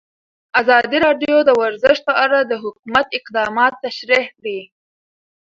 ازادي راډیو د ورزش په اړه د حکومت اقدامات تشریح کړي.